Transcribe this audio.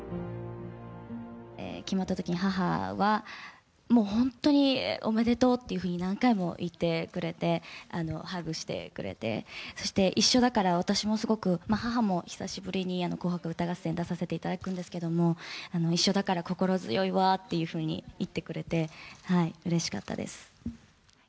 決まったときに母は、もう本当におめでとうっていうふうに、何回も言ってくれて、ハグしてくれて、そして、一緒だから、私もすごく、母も久しぶりに紅白歌合戦出させていただくんですけども、一緒だから、心強いわっていうふうに言ってくれて、うれしかったです。